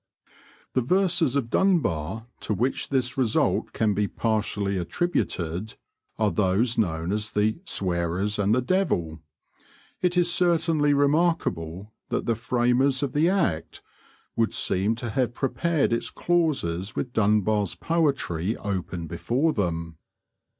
The verses of Dunbar to which this result can be partially attributed are those known as 'The Sweirers and the Devill.' It is certainly remarkable that the framers of the Act would seem to have prepared its clauses with Dunbar's poetry open before them.